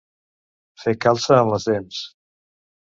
Fer calça amb les dents.